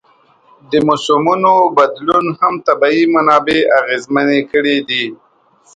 د موسمونو بدلون هم طبیعي منابع اغېزمنې کړي دي.